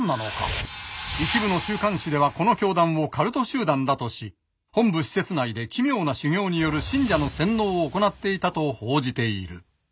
一部の週刊誌ではこの教団をカルト集団だとし本部施設内で奇妙な修行による信者の洗脳を行っていたと報じている。